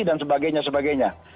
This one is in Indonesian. dan sebagainya sebagainya